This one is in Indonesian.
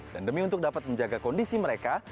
dan demi untuk dapat menjaga kondisi mereka